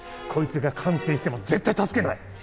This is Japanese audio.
こいつが感染しても絶対助けない！